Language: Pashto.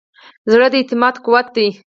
زړه د اعتماد قوت دی.